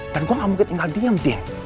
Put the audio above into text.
dan gue gak mungkin tinggal diem din